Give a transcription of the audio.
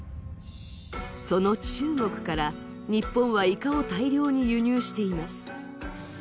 その中国から、日本はイカを大量に輸入しています。